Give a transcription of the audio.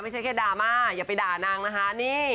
๐๓๐๖๑๗นไม่ใช่แค่ดราม่าอย่าไปด่านางนะคะ